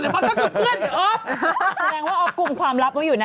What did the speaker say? แสดงว่ากลุ่มความลับเขาอยู่นะ